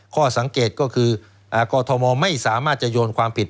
ข้อสังเกตก็คือกรทมไม่สามารถจะโยนความผิด